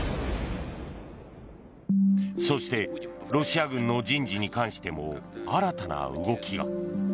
そしてロシア軍の人事に関しても新たな動きが。